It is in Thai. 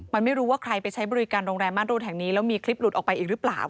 มันไม่รู้ว่าใครไปใช้บริการโรงแรมม่านรูดแห่งนี้แล้วมีคลิปหลุดออกไปอีกหรือเปล่า